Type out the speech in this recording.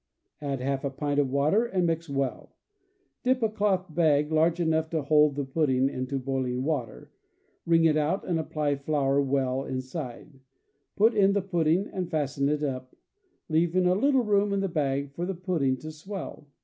Add half a pint of water and mix well together. Dip a cloth bag large enough to hold the pudding into boiling water, wring it out, and apply flour well to the inside. Put in the pudding and fasten it up, leaving a little room in the bag for the pudding to swell.